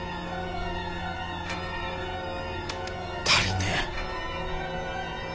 足りねえ。